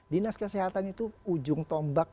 dinas kesehatan itu ujung tombak